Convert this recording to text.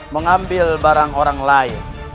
mengambil barang orang lain